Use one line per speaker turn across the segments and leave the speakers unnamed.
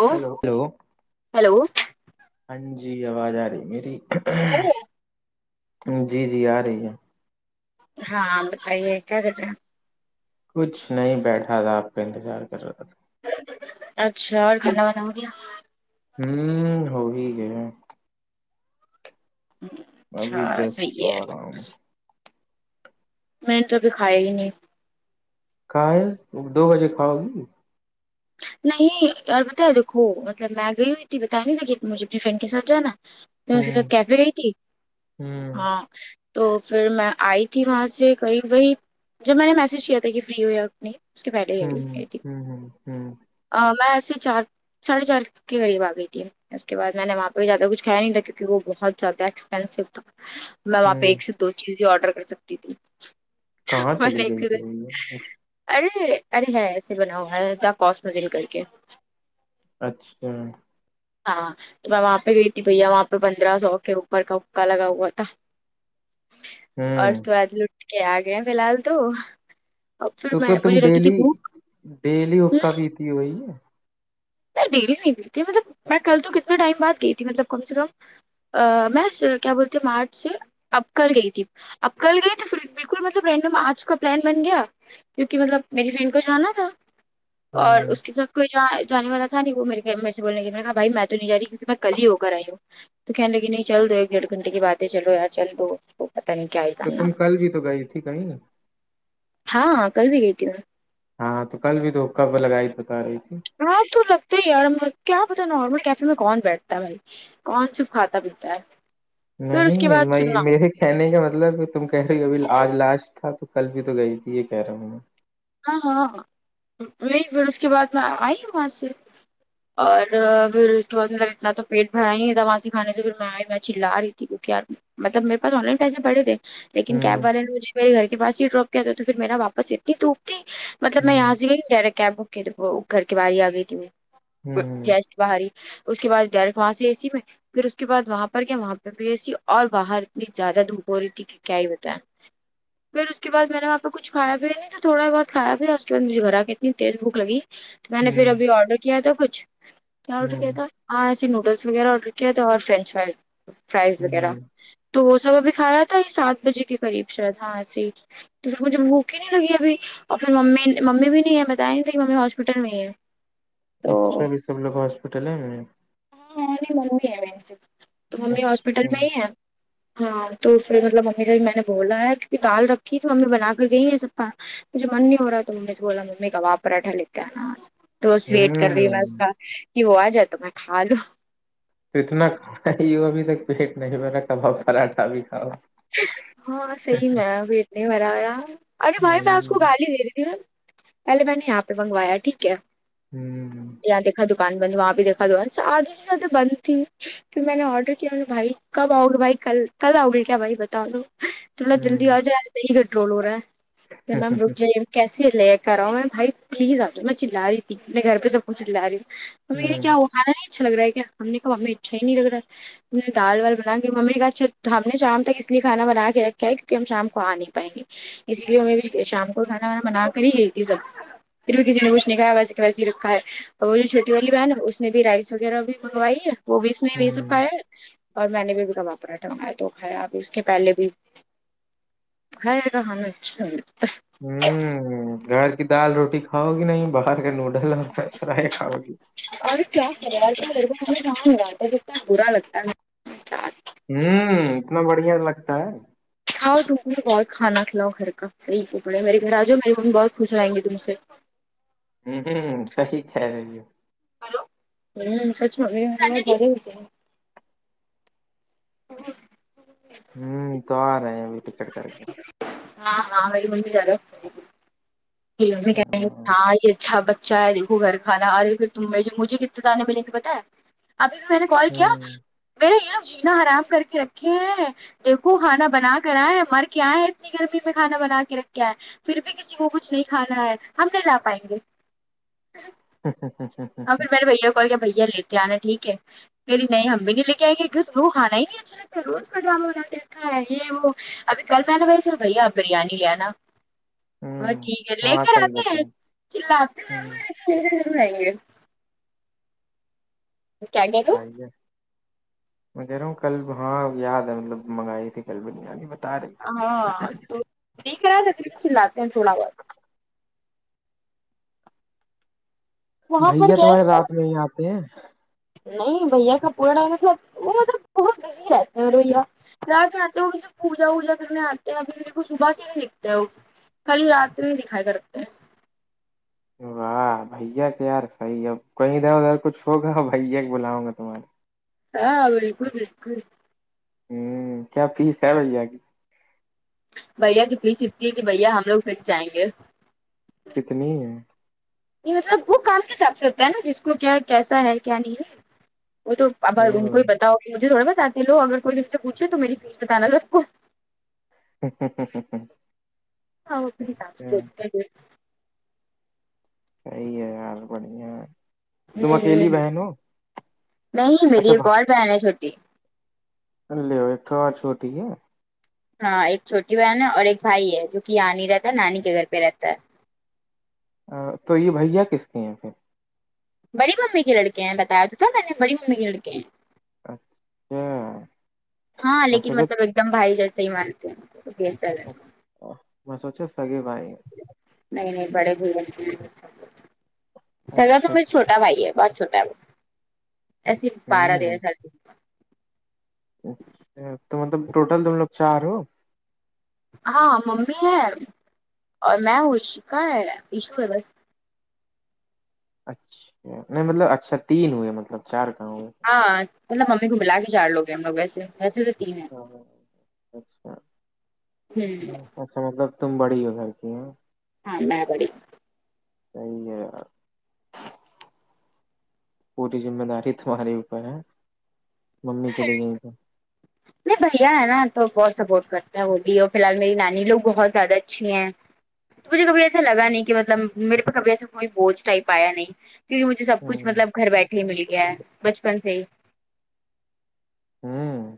Hello
hello hello
hello
ہاں جی آواز آ رہی میری جی جی آ رہی ہے
ہاں آپ بتائیے کیا کررہیں ہے
کچھ نہیں بیٹھا تھا آپ کا انتظار کر رہا تھا
اچھا اور کھانا وانا ہوگیا
ہمم ہو ہی گیا ابھی
اچھا
جسٹ تو
صحیح ہے
آ رہا ہوں
میں نے تو ابھی کھایا ہی نہیں
کھایا اب دو بجے کھاؤگی
نہیں یار پتا ہے دیکھو مطلب میں گئی ہوئی تھیبتانے نہیں تھا کہ مجھے اپنی فرینڈ کے ساتھ جانا تو اسکے ساتھ
ہوں
کیفےگئی تھی
ہوں
ہاں تو پھر میں آئی تھی وہاں سے قریب وہی جب میں نے میسج کیا تھا کہ فری ہو جیا نہیں اسکے برتھڈے کے دن آئ تھی
ہمم
میں ایسے چار ساڑھے چار کے قریب آ گئی تھی اس کے بعد میں نے وہاں پہ بھی زیادہ کچھایا نہیں تھا کیونکہ وہ بہت زیادہ ایکسپینس تھا میں وہاں پہ
ہوں
ایک سے دو چیزیں آرڈر کر سکتی تھی
کہاں
میں
چلی
نے ایک
گئی
سے دو
تھی وہ
ارے ارے ہے ایسے بنا ہوا پوس مزل کر کے
اچھا
ہاں تو میں وہاں پہ گئی تھی بھیا وہاں پہ پندرہ سو کے اوپر کا حا لگا ہوا تھا آج تو آج لٹ کے آ گئے فیلحال تو اور پھر
تو
میں
کیا تم
مجھے لگی تھی
ڈیلی
بھوک
ڈیلی
ہوں
ہوکا پیتی ہو وہی ہے
میں ڈیلی نہیں پی تھی مطلب میں کل تو کتنے ٹائم بعد گئی تھی مطلب کم سے کم ا میں س کیا بولتے مارچ سے اب کل گئی تھی اب کل گئی تو پھر بالکل مطلب رینڈم آج کا پلان بن گیا کیوںکہ مطلب میری فرینڈ کو جانا تھا
ہوں
جب کوئی جائے جانے والا تھا نہیں وہ میرے فرینڈ میرے سے بولنے لگی کہ بھائی میں تو نہیں جا رہی کیونکہ میں کل ہی ہو کر آئی ہوں تو کہنے لگی نہیں چل تو ایک ڈیڑھ گھنٹے کے بات ہے چلو یار چل دو پتہ نہیں کیا ہے
تو تم کل بھی تو گئی تھی کہیں
ہاں کل بھی گئی تھی میں
ہاں تو کل بھی تو کب لگائی بتا رہی تھی
ہاں تو لگتے ہی یار کیا پتا نارمل کیفے میں کون بیٹھتا ہے بھائی کون چپ کھاتا پیتا ہے پھر اس کے
نہیں
بعد
میں یہ
سننا
میرے کہنے کا مطلب تم کہہ رہی ہو ابھی آج لاسٹ تھا تو کل بھی تو گئی تھی یہ کہہ رہا ہوں میں
ہاں ہاں نہیں پھر اس کے بعد میں آئی وہاں سے اور پھر اس کے بعد مطلب اتنا تو پیٹ بھرا ہی تھا وہاں سے کھانے سے پھر میں آئی میں چلا رہی کے کیا مطلب میرے پاس آن لائن پسے پڑے تھے لیکن کیب والے نے مجھے میرے گھر کے پاس ہی ڈراپ کیا تھا تو پھر میرا واپس اتنی دھوپ تھی مطلب
ہوں
میں یہاں
ہوں
سے گئی ڈریکٹ کیب بک کی تھی تو وہ گھر کے باہر ہی آ گئی تھی وہ جسٹ باہر ہی اس کے بعد ڈائریکٹ وہاں سے اے سی میں پھر اس کے بعد وہاں پر کیا وہاں پہ بھی اے سی اور باہر اتنی زیادہ دھوپ ہو رہی تھی کہ کیا ہی بتائیں پھر اس کے بعد میں نے وہاں پہ کچھ کھایا پیا نہیں تھا تھوڑا بہت کھایا پیا اس کے بعد مجھے گھر آ کے اتنی تیز بھوک لگی تو میں نے پھر
ہوں
ابھی آرڈر کیا تھا کچھ کیا آرڈر
ہوں
کیا
ہوں
تھا ہاں آج ہی نوڈلس وغیرہ آرڈر کیا تھا اور فرینچ فرائز فرائز وغیرہ
ہوں
تو وہ سب ابھی کھایا تھا یہ سات بجے کے قریب شاید ہاں ایسے ہی تو پھر مجھے بھوک ہی نہیں لگی ابھی اور پھر ممی ممی بھی نہیں ہے بتائیں تھی ممی ہاسپٹل میں ہی ہے تو
اچھا ا بھی سب لوگ ہاسپٹل ہی میں
ہاں ہاں نہیں ممی ہے و ہی تو ممی ہاسپٹل
اچھا
میں
ہوں
ہی ہے ہاں تو پھر مطلب ممی سے بھی میں نے بولا ہے کیونکہ دال رکھی تو ممی بنا کر گئی ہے سب کا مجھےمن نہیں ہو رہا ہے تو ممی سے بولا ممی کباب پرا ٹھا لیکے آنا آج تو ویٹ کر رہی ہوں میں اس کا کہ وہ آ جائے تو میں کھالوں
تو اتنا کھارہی ہو ابھی تک پیٹ نہیں بھرا کباب پراٹھا بھی کھاؤ
ہاں صحیح میں پیٹ نہیں بھرایا ارے بھائی میں اس کو
ہوں
گالی دے رہی تھی نہ پہلے میں نے یہاں پہ منگوایا ٹھیک ہے
ہوں
یہاں دیکھا دکان بند وہاں بھی دیکھا دکان سے آدھے سے زیادہ بند تھی پھر میں نے آرڈر کیا بھائی کب آؤگے بھائی کل کل آؤ گے کیا بھائی بتا لو تھوڑا جلدی
ہوں
آ جائے نہی کنٹرول ہو رہا ہے پر میم رک جائے کیسے لے کر اؤ میں بھائی پلیز آ جاؤ میں چلا رہی تھی اپنے گھر پہ سب کو چلا رہی میرے
ہوں
کیا وہ کھالے اچھا لگ رہا ہے کہ ممی کو ممی اچھا ہی نہیں لگ رہا دال وال بنا کے ممی کا اچھا ہم نے شام تک اس لیے کھانا بنا کے رکھا ہے کے کیونکہ ہم شام کو آ نہیں پائیں گے اسی لیے میں بھی شام کو کھانا وانا بنا کر ہی گئی تھی سب پھر بھی کسی نے کچھ نہی کھایا ویسے کہ ویسے رکھا ہے اور وہ جو چھوٹی والی بہن اس نے بھی رائس وغیرہ بھی منگوائی ہے وہ بھی اس میں یہی سب پایا اور میں نے بھی توا پراٹھا منگوایا تو کھایا اس کے پہلے بھی ہ جگہ ہمیں اچھا لگے
ہوں گھر کی دال روٹی کھاؤ گی نہیں باہر کا نوڈل اور فرائی کھاؤگی
ارے کیا کرے [unintelligible] کتنا برا لگتا ہے یار
ہوں اتنا بڑھیا لگتا ہے
کھاؤ تم کو بہت کھانا کھلاؤ گھر کا صحیح کو پڑے میرے گھر آجاؤ میرے من بھی بہت خوش ہو جائے گے تم سے
ہوں ہ صحیح کہہ رہی ہے
ہیلو ہوں سچ میں [unintelligible] ہوتے ہیں بوھت
ہوں تو آ رہے ہیں ابھی ٹکٹ کر کے ہوں
ہاں ہاں میر ی ممی جا رہو میری ممی کہہ رہی ہے ہاں یہ اچھا بچ چائے دیکھو گھر کھانا ارے پھر ت مجھے کتنے دانے ملیں گے پتہ ہے ابھی بھی میں نے کال کیا
ہوں
میرا یہاں جینا حرام کر کے رکھے ہیں دیکھو کھانا بنا کر آیئں ہیں مر کے آئیں ہیں اتنی گرمی میں کھانا بنا کے رکھ کے آئے پھر بھی کسی کو کچھ نہیں کھانا ہے ہم نہیں لا پائیں گے ہاں پھر میں نے بھیاکو کال کیا بھیا لیتے آنا ٹھیک ہےیری نہیں ہم بھی نہیں لے کے آئے گے کیوں کھانا ہی نہیں ہے آج تیرا تو روج کا ڈرامہ بنا کے رکھا ہے یہ وہ ابھی کل میں نے بولا پھر بھیا آپ بریانی لےآ نا ہاں
ہوں.
ٹھیک ہے لے
ہاں
کر
کل
آتے ہیں
بتائیں
چللا تے
ہوں
ضرور ہیں لیکے ضر ور آئیں گے کیا کہہ رہے
بھائی ہے میں کہ رہا ہوں کل ہاں یاد ہے مطلب منگائی تھی کل بریانی بتا رہی تھی.
ہاں تو ٹھیک ہے اگر چللا تے ہیں تھوڑا بہت وہاں پر
بھیا
کیا
تمہارے رات
ہے
میں ہی آتے ہیں
نہیں بھیا کا پورا مطلب وہ مطلب بہت بزی رہتے ہیں ر بھیا ر ات میں آتے ھو صرف پوجا ووجا کرنے آتے ہیں ابھی میرے کو صبح سے نہیں دکھتے ہو خالی رات میں دکھائی کرتے ہیں
واہ بھیا کا یار صحیح ہے کہیں ادھر ادھر کچھ ہوگا بھیا بلاؤں گا تمہارے
ہاں بالکل بالکل
ہوں کیا فیس ہے بھیا کی
بھیا کی فیس اتنی ہے کہ بھیا ہم لوگ بک جائیں گے
کتنی ہے
یہ مطلب وہ کام کے حساب سے ہوتا ہے نا جس کو کیا کیسا ہے کیا نہیں ہے وہ تو اب بھا
او
ان کو ہی پتہ ہوگی کہ مجھے تھوڑا بتاتے ہیں لو اگر کوئی تم سے پوچھے تو میری فیس بتانا سب کو
اچھا
ہاں وہ اپنے حساب سے دیکھتے ہے پھر
صحیح ہے یار بڑیا
ہ نہیں میری
اچھا
ایک اور بہن ہے چھو ٹی
لےو کہاں چھوٹی ہے
ہاں ایک چھوٹی بہن ہے اور ایک بھائی ہے جو کہ یہاں نہیں رہتا نانی کے گھر پہ رہتا ہے
ا تو یہ بھیا کس کے ہیں پھر
بڑی ممی کی لڑکے ہیں بتایا تو تھا میں نے بڑی ممی کے لڑکے ہیں
اچھا
ہاں
میں
لیکن مطلب
سوچا
ایکدم بھائی جیسے ہی مانتے ہیں ان کو کبھی ایسا
آہ میں سوچا سگے بھائی ہے
نہیں نہیں بڑے بھیا کے بیوی بچوں کو سگا تو
اچھا
میرا
اچھا
چھوٹا بھائی ہے بہت چھوٹا ہے وہ ایسے بارہ
ہوں
تیرہ سال کے
اچھا تو مطلب ٹوٹل تم لوگ چار ہو
ہاں ممی ہے اور میں ہوں اشیکا کا ہے ایشو ہے بس
اچھا نہیں مطلب اچھا تین ہوئے مطلب چار کہاں ہوئے
ہاں مطلب ممی کو ملا کے چار لوگے ہے ہم لوگ ویسے ویسے تو تین ہے
ہاں، اچھا
ہوں
اچھا مطلب تم بڑی ہو گھر کی ہاں
ہاں میں بڑی
صحیح ہے یار پوری ذمہ داری تمہارے ہی اوپر ہاں ممی چلی گئیں تو
ارے بھیا ہے نا تو بہت سپورٹ کرتا ہے وہ بھی اور فی الحال میری نانی لوگ بہت زیادہ اچھی ہیں مجھے کبھی ایسا لگا نہیں کہ مطلب میرے پے کبھی ایسا کوئی بوجھ ٹائپ آیا نہیں کیونکہ مجھے سب کچھ
ہوں
مطلب گھر بیٹھے ہی مل گیا ہے بچپن سے ہی
ہوں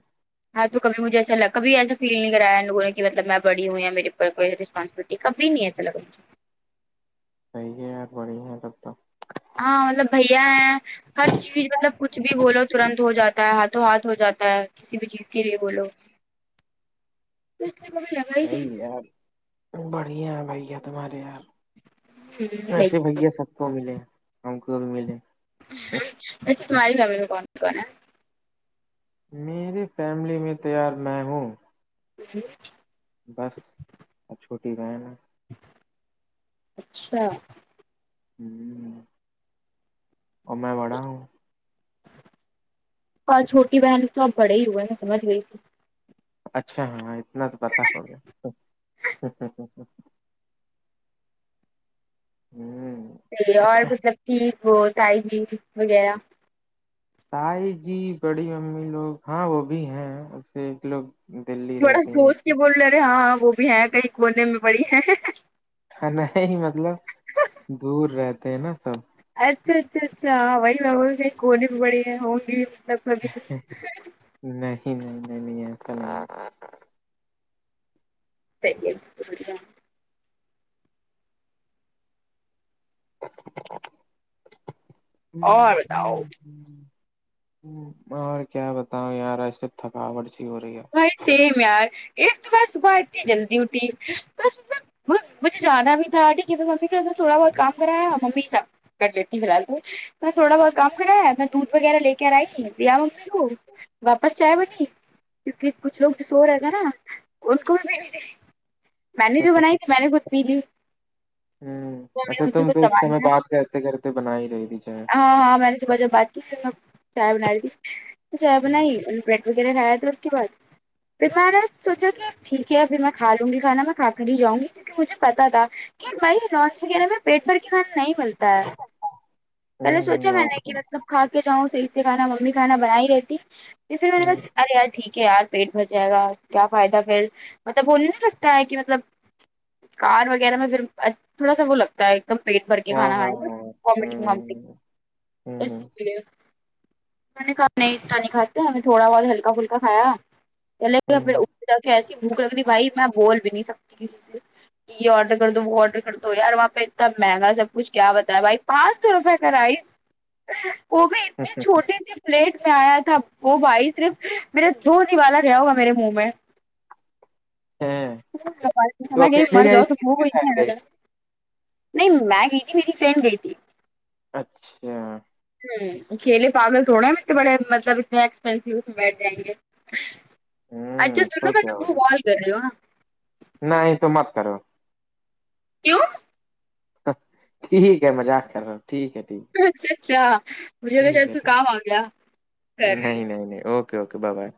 ہاں تو کبھی مجھے ایسا لگ کبھی ایسا فیل نہیں کرایا ان لوگوں نے کہ مطلب میں بڑی یوں یا میرے پر کو رسپانسبلٹی کے کبھی نہیں ایسا لگا مجھے
صحیح ہے بڑھیا ہے سب
ہاں مطلب بھیا ہے ہر چیز مطلب کچھ بھی بولو ترنت ہو جاتا ہے ہاتھوں ہاتھ ہو جاتا ہے کسی بھی چیز کے لیے بولو اس لیے میں بھی [unintelligible]
صحیح یار بڑھیا بھیا تمہارے یار
نہیں بھائی
ایسے بھیا سب کو ملے ہم کو بھی ملے
ویسے تمہاری فمیلی میں کون کون ہے
میری فیملی میں تو یار میں ہوں
وں ہوں
بس اب چھوٹی بہن ہے
اچھا
ہوں اور میں بڑا ہوں
اور چھوٹی بہن تو اب بڑے ہی ہوئے ہیں میں سمجھ گئی تھی
اچھا ہاں اتنا تو پتہ ہو گیا ہوں
اور مطلب کہ وہ تائی جی وغیرہ
تائی جی بڑی امی لوگ ہاں وہ بھی ہیں اسے ایک لوگ دلی
تھوڑا
رہتی ہیں
سوچ کے
ایک-
بول رہے رہے ہاں وہ بھی ہے کہیں کونے میں پڑی ہے
ہاں نہیں مطلب دور رہتے ہیں نا سب
اچھا اچھا اچھا وہی میی بولوں کے کونے بھی بڑی ہوں گی مطلب کبھی
نہیں نہیں نہیں نہیں ایسا نہیں
خیریت سب اچھا اور بیٹا آو
ہوں ہوں اور کیا بتاؤں یار ایسے تھکاوٹ سی ہو رہی ہے
بھائی سیم یار ایک تو میں صبح اتنی جلدی اٹھی صبح صبح مجھے جانا بھی تھا آٹی کی ممی کے ویسا تھوڑا بہت کام کرایا ممی س کر لیتی فی الحال تو میں تھوڑا بہت کام کرایا ہے میں دودھ وغیرہ لے کر آئی دیا ممی کو واپس جائے بنی کیونکہ کچھ لوگ جو سو رہے تھے نا اس کو بھی بھیج دے میں نے جو بنائی میں نےخود پیلی
ہوں ایسے تم تو اس
سامان
سمے
تھا
بات کرتے کرتے بنا ہی رہی تھی چاہے
ہاں ہاں میں نے صبح جب بات کی تھی نا میں چائے بنا رہ تھی تو چائے
ہوں
بنائی بریڈ وغیرہ لایا تھا اس کے بعد پھر میں نے سوچا کہ ٹھیک ہے پھر میں کھا لوں گی کھانا میں کھا کر ہی جاں گی کیونکہ مجھے پتا تھا کہ بھائی روچ وغیرہ میں پیٹ پر صحیح نہیں ملتا ہے پہلے
ہوں
سوچا
ہوں،
میں
اور
نے
کیا
کہ مطلب کھا کے جاؤں صحیح سے سے کھانا ممی کھانا بننا ہی
ہوں
رہتی [unintelligible] کیا یار پیٹ بھر جائے گا کیا فائدہ پھر مطلب بولنے لگتا ہے کہ مطلب کار وغیرہ میں پھر ا تھوڑا سا وہ لگتا ہے ایک دم پیٹ بھر کے
ہاں
کھا
ہاں
کھائیں گا
ہاں ہوں
وامٹگ
ہوں
وامٹنگ
ہوں ہوں
اسلئے میں نے کھا اتنا نہیں کھاتی ہمیں تھوڑا بہت ہلکا پھلکا کھایا پھلے تو
ہوں۔
وپپر جاکے ایسی بھوک لگ رہی بھائی میں بول بھی نہیں سکتی کسی سے کہ یہ آرڈر کر دو وہ آرڈر کر دو یار وہاں پہ اتنا مہنگا سب کچھ کیا بتا ہے بھائی پانچ سو روپے کا رائس وہ بھی اتنے چھوٹے سے پلیٹ میں آیا تھا وہ بھائی صرف میرا دو ن نوالہ گیا ہوگا میرے منہ میں
ہیں، تو
ہمے کوئی
اکیلے
مر
گئی
جاؤ تو
تھی کس کے
ہوئی
ساتھ گئی تھی؟
نہیں میں گئی تھی میری فینڈ گئی تھی
اچھا
ہوں کھیلے پاگل تھوڑے ہیںتنے بڑے مطلب اتنے ایکسپینسو بیٹھ ائیں گے اچھا
ہوں
سنو
تو
میں
کیا
تم کو
بولے
کال کر رہی ہو
نہیں تو مت کرو
کیوں
ٹھیک ہے مذاق کر رہا ہوں ٹھیک ہے ٹھیک
اچھا اچھا مجھے تو
ٹھیک
شاید
ہے
تو
ٹھیک
کام آ گیا کر رہی ہ
اوک اوک بائے بائے